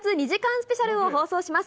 スペシャルを放送します。